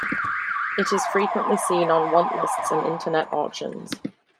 It is frequently seen on want lists and internet auctions.